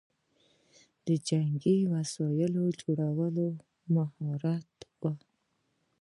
د جنګي وسایلو جوړول مهارت و